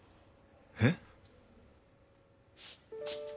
えっ？